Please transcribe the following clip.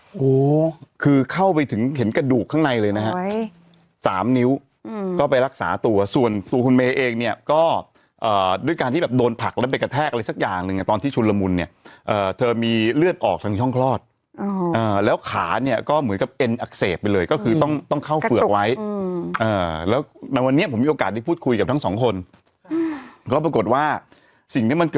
โอ้โหคือเข้าไปถึงเห็นกระดูกข้างในเลยนะฮะสามนิ้วก็ไปรักษาตัวส่วนตัวคุณเมย์เองเนี่ยก็ด้วยการที่แบบโดนผลักแล้วไปกระแทกอะไรสักอย่างหนึ่งตอนที่ชุนละมุนเนี่ยเธอมีเลือดออกทางช่องคลอดแล้วขาเนี่ยก็เหมือนกับเอ็นอักเสบไปเลยก็คือต้องต้องเข้าเฝือกไว้แล้วในวันนี้ผมมีโอกาสได้พูดคุยกับทั้งสองคนก็ปรากฏว่าสิ่งที่มันเกิด